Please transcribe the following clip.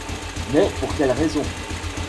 Mais pour quelle raison ?…